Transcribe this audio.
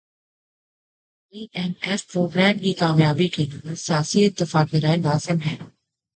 ائی M F programme کی کامیابی کیلئے سیاسی اتفاق رائے لازم ہے